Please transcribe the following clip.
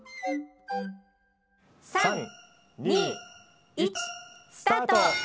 ３２１スタート！